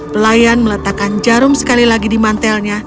pelayan meletakkan jarum sekali lagi di mantelnya